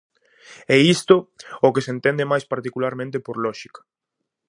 É isto o que se entende máis particularmente por lóxica.